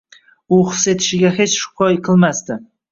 U his etishiga hech shubha qilmasdi.